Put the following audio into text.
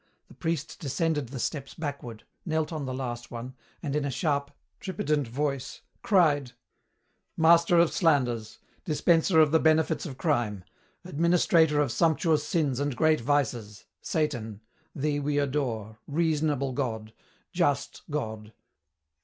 The priest descended the steps backward, knelt on the last one, and in a sharp, tripidant voice cried: "Master of Slanders, Dispenser of the benefits of crime, Administrator of sumptuous sins and great vices, Satan, thee we adore, reasonable God, just God!